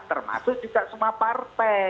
termasuk juga semua partai